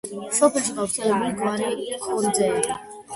სოფელში გავრცელებული გვარია ქორიძეები.